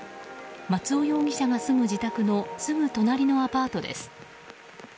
松尾容疑者が住む自宅のすぐ隣のアパートです。